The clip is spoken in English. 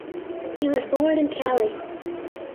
He was born in Cali.